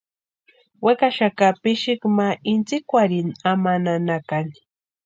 Wekaxaka pixiki ma intsïkwarhini ama nanakani.